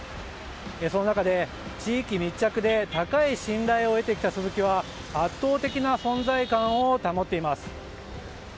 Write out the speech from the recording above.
その中で地域密着で高い信頼を得てきたスズキは圧倒的な存在感を保っています。